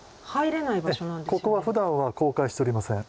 ここはふだんは公開しておりません。